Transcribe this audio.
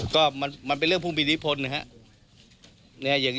ก็มันเป็นเรื่องผู้มีอิทธิพลนะครับ